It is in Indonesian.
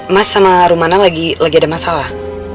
mas sama rumana lagi ada masalah